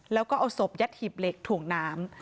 แล้วก็เอาศพยัดหีบเหล็กถ่วงน้ำ